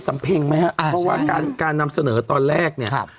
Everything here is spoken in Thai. เพ็งไหมฮะเพราะว่าการการนำเสนอตอนแรกเนี่ย